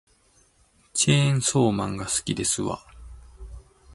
チェーンソーマンが好きですわ